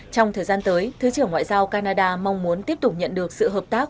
trong thời gian tới thứ trưởng ngoại giao canada mong muốn tiếp tục nhận được sự hợp tác